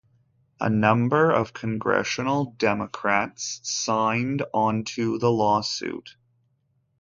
A number of congressional Democrats signed onto the lawsuit.